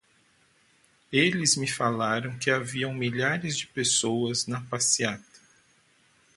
Eles me falaram que haviam milhares de pessoas na passeata.